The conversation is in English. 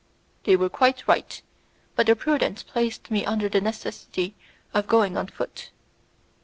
They were quite right, but their prudence placed me under the necessity of going on foot.